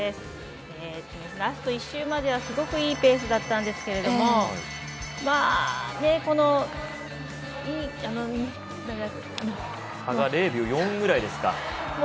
ラスト１周まではすごくいいペースだったんですが差が０秒０４ぐらいですか。